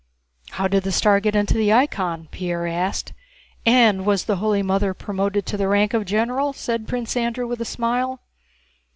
"How did the star get into the icon?" Pierre asked. "And was the Holy Mother promoted to the rank of general?" said Prince Andrew, with a smile.